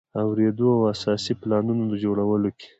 اوریدلو او اساسي پلانونو د جوړولو کې.